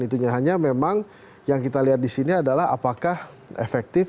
itu hanya memang yang kita lihat di sini adalah apakah efektif